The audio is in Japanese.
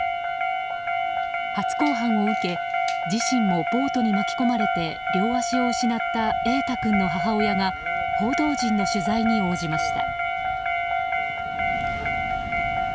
初公判を受け自身もボートに巻き込まれて両足を失った瑛大君の母親が報道陣の取材に応じました。